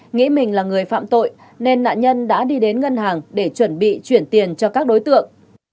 nghĩ mình là người phạm tội nên nạn nhân đã đi đến ngân hàng để chuẩn bị chuyển tiền cho các đối tượng